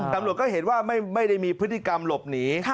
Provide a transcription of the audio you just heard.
ตำรวจก็เห็นว่าไม่ได้มีพฤติกรรมหลบหนี